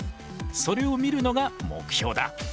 それを見るのが目標だ。